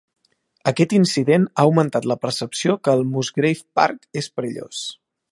Aquest incident ha augmentat la percepció que el Musgrave Park és perillós.